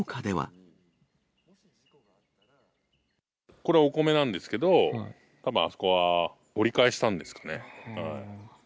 これお米なんですけど、たぶんあそこは、掘り返したんですかね。